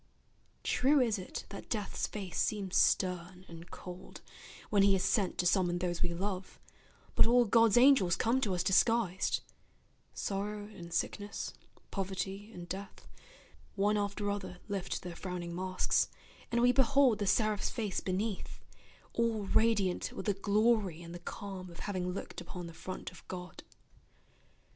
True is it that Death's face seems stern and cold, When he is sent to summon those we love, But all God's angels come to us disguised; Sorrow and sickness, poverty and death, One after other lift their frowning masks, And we behold the seraph's face beneath, All radiant with the glory and the calm Of having looked upon the front of God.